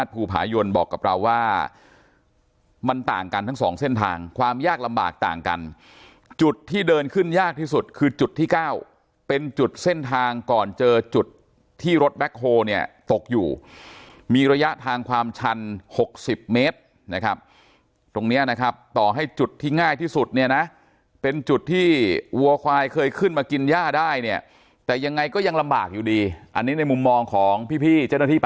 ภูผายนบอกกับเราว่ามันต่างกันทั้งสองเส้นทางความยากลำบากต่างกันจุดที่เดินขึ้นยากที่สุดคือจุดที่เก้าเป็นจุดเส้นทางก่อนเจอจุดที่รถแบ็คโฮเนี่ยตกอยู่มีระยะทางความชัน๖๐เมตรนะครับตรงเนี้ยนะครับต่อให้จุดที่ง่ายที่สุดเนี่ยนะเป็นจุดที่วัวควายเคยขึ้นมากินย่าได้เนี่ยแต่ยังไงก็ยังลำบากอยู่ดีอันนี้ในมุมมองของพี่เจ้าหน้าที่ป